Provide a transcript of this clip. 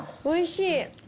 おいしい。